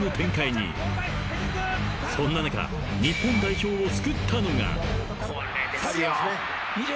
［そんな中日本代表を救ったのが］